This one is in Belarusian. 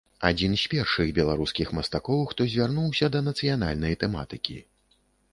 Адзін з першых беларускіх мастакоў, хто звярнуўся да нацыянальнай тэматыкі.